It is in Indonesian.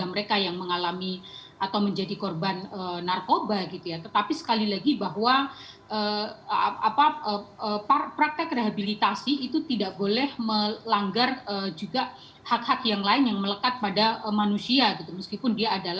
mereka bisa mengakses dan mereka membutuhkan